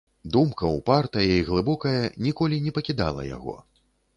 Думка, упартая і глыбокая, ніколі не пакідала яго.